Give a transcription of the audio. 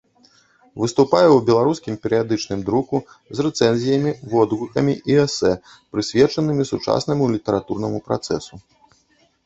Выступае ў беларускім перыядычным друку з рэцэнзіямі, водгукамі і эсэ, прысвечанымі сучаснаму літаратурнаму працэсу.